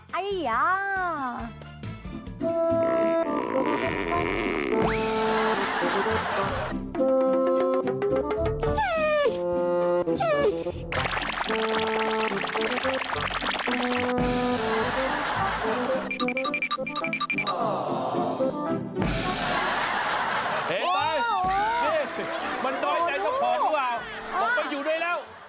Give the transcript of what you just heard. เฮ้ยไปมันน้อยใจเฉพาะดูว่าบอกไปอยู่ด้วยแล้ว